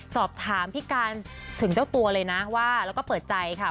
สอบถามพี่การถึงเจ้าตัวเลยนะว่าแล้วก็เปิดใจค่ะ